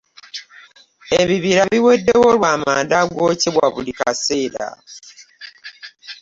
Ebibira biwedewo lw'amanda agookyebwa buli kaseera.